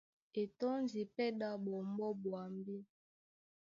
E tɔ́ndi pɛ́ ɗá ɓɔmbɔ́ ɓwambí.